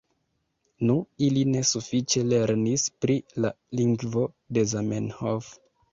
Nu, ili ne sufiĉe lernis pri la lingvo de Zamenhof.